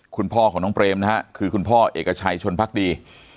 คุณพ่อของน้องเปรมนะฮะคือคุณพ่อเอกชัยชนพักดี